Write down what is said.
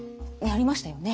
ありましたよね？